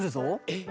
・えっ